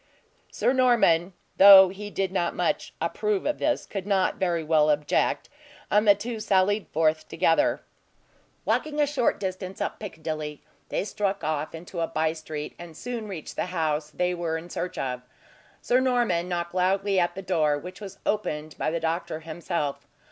Sir Norman, though he did not much approve of this, could not very well object, and the two sallied forth together. Walking a short distance up Piccadilly, they struck off into a bye street, and soon reached the house they were in search of. Sir Norman knocked loudly at the door, which was opened by the doctor himself.